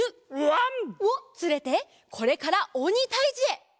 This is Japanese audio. わん！をつれてこれからおにたいじへ！